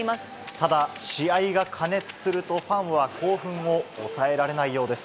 ただ、試合が過熱すると、ファンは興奮を抑えられないようです。